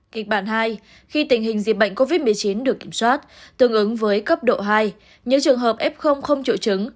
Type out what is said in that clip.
kịch bản hai khi tình hình dịch bệnh covid một mươi chín được kiểm soát tương ứng với cấp độ hai những trường hợp f không triệu chứng